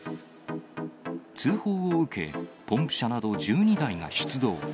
通報を受け、ポンプ車など１２台が出動。